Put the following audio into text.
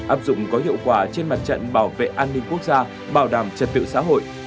áp dụng có hiệu quả trên mặt trận bảo vệ an ninh quốc gia bảo đảm trật tự xã hội